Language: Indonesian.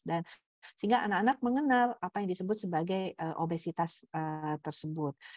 dan sehingga anak anak mengenal apa yang disebut sebagai obesitas tersebut